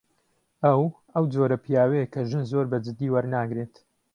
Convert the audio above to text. ئەو، ئەو جۆرە پیاوەیە کە ژن زۆر بەجددی وەرناگرێت.